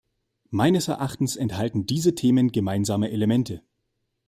Meines Erachtens enthalten diese Themen gemeinsame Elemente.